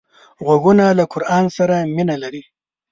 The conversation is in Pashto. غوږونه له قرآن سره مینه لري